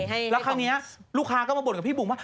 แล้วคราวนี้ลูกค้าก็มาบ่นกับพี่บุ๋มว่า